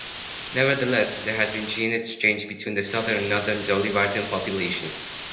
Nevertheless, there has been gene exchange between the southern and northern Dolly Varden populations.